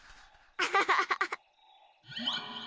アハハハハ。